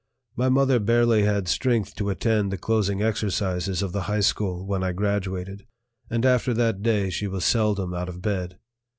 My mother barely had strength to attend the closing exercises of the high school when I graduated, and after that day she was seldom out of bed.